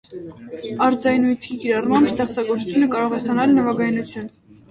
Առձայնույթի կիրառմամբ ստեղծագործությունը կարող է ստանալ նվագայնություն։